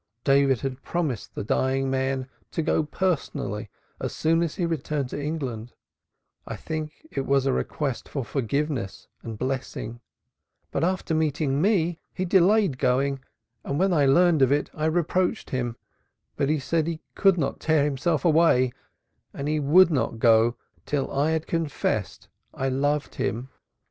David had promised the dying man to go personally as soon as he returned to England I think it was a request for forgiveness and blessing but after meeting me he delayed going, and when I learned of it I reproached him, but he said he could not tear himself away, and he would not go till I had confessed I loved him.